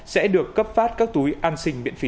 sẽ được cấp phát các túi an sinh miễn phí